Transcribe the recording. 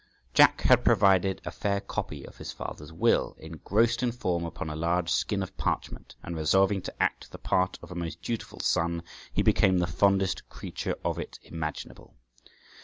Jack had provided a fair copy of his father's will, engrossed in form upon a large skin of parchment, and resolving to act the part of a most dutiful son, he became the fondest creature of it imaginable.